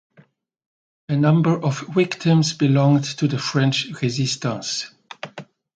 A number of victims belonged to the French Resistance.